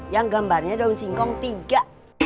yang gambarnya daun singkong tiga